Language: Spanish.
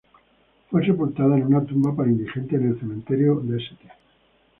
Fue sepultada en una tumba para indigentes en el Cementerio de St.